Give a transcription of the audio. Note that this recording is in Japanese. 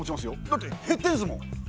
だって減ってんですもん。